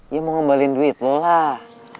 ya mau ngembalin duit loh lah